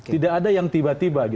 tidak ada yang tiba tiba